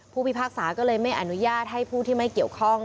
พิพากษาก็เลยไม่อนุญาตให้ผู้ที่ไม่เกี่ยวข้อง